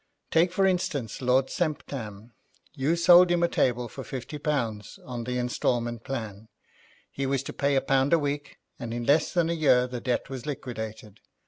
'Take for instance, Lord Semptam. You sold him a table for fifty pounds, on the instalment plan. He was to pay a pound a week, and in less than a year the debt was liquidated.